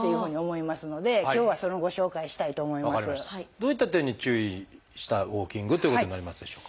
どういった点に注意したウォーキングということになりますでしょうか？